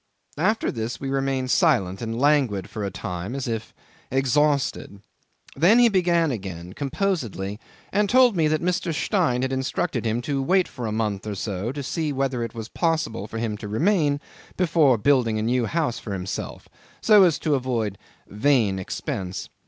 After this we remained silent and languid for a time as if exhausted. Then he began again, composedly, and told me that Mr. Stein had instructed him to wait for a month or so, to see whether it was possible for him to remain, before he began building a new house for himself, so as to avoid "vain expense."